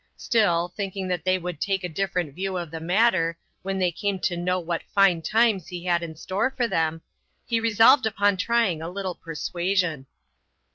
Still, think ing that they would take a different view of the matter, when they came to know what fine times he had in store for them, he resolved upon trying a little persuasion.